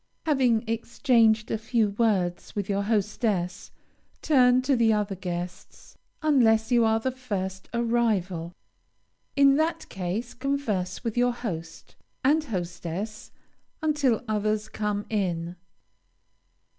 Having exchanged a few words with your hostess, turn to the other guests, unless you are the first arrival. In that case, converse with your host and hostess until others come in.